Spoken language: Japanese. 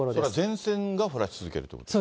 前線が降らせ続けるということですか？